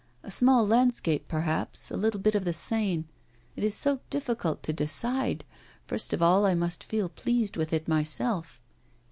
A small landscape, perhaps; a little bit of the Seine. It is so difficult to decide; first of all I must feel pleased with it myself.